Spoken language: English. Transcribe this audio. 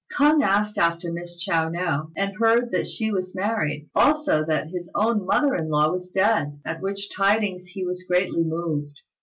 K'ung asked after Miss Chiao no, and heard that she was married; also that his own mother in law was dead, at which tidings he was greatly moved.